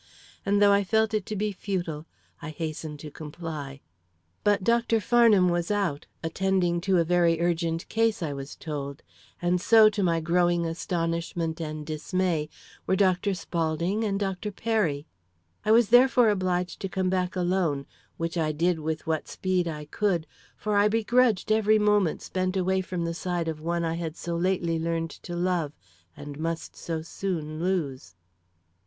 And though I felt it to be futile, I hastened to comply. But Dr. Farnham was out, attending to a very urgent case, I was told; and so, to my growing astonishment and dismay, were Dr. Spaulding and Dr. Perry. I was therefore obliged to come back alone, which I did with what speed I could; for I begrudged every moment spent away from the side of one I had so lately learned to love, and must so soon lose.